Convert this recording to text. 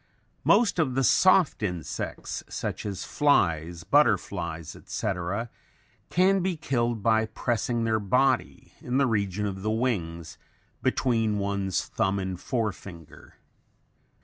Most of the soft insects, such as flies, butterflies, etc., can be killed by pressing their body, in the region of the wings, between one's thumb and forefinger.